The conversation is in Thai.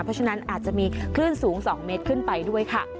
เพราะฉะนั้นอาจจะมีคลื่นสูง๒เมตรขึ้นไปด้วยค่ะ